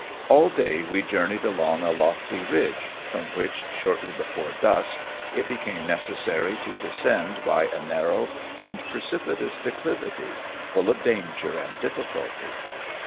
All day we journeyed along a lofty ridge, from which, shortly before dusk, it became necessary to descend by a narrow and precipitous declivity, full of danger and difficulty.